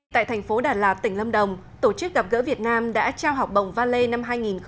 tại thành phố đà lạt tỉnh lâm đồng tổ chức gặp gỡ việt nam đã trao học bổng valet năm hai nghìn một mươi chín